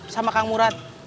sama kang murad